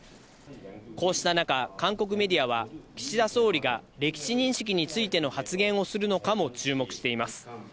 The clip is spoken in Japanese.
こうした中、韓国メディアは岸田総理が歴史認識についての発言をするのかも注目しています。